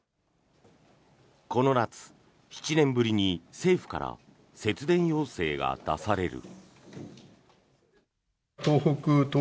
この夏、７年ぶりに政府から節電要請が出される。